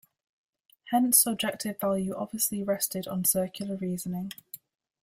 Hence subjective value obviously rested on circular reasoning.